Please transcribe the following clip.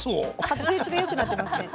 滑舌が良くなってますね。